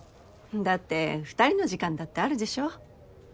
だって二人の時間だってあるでしょ？